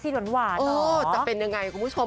จะเป็นยังไงคุณผู้ชม